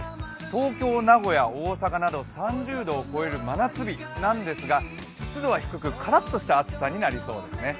東京、名古屋、大阪など３０度を超える真夏日なんですが湿度は低く、カラッとした暑さになりそうですね。